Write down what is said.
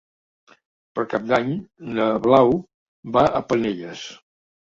Per Cap d'Any na Blau va a Penelles.